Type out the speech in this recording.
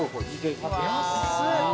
安っ。